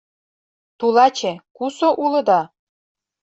Тулаче, кусо улыда?